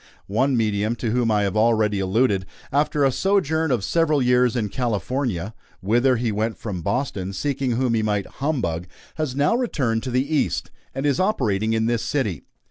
One medium to whom I have already alluded, after a sojourn of several years in California whither he went from Boston, seeking whom he might humbug has now returned to the East, and is operating in this city.